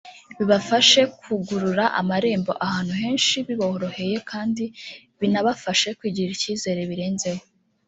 bibafashe kugurura amarembo ahantu henshi biboroheye kandi binabafasha kwigirira icyizere birenzeho